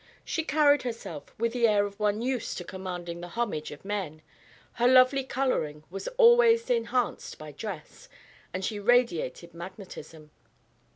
She carried herself with the air of one used to commanding the homage of men, her lovely colouring was always enhanced by dress, and she radiated magnetism.